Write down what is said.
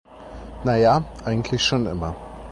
Na ja, eigentlich schon immer.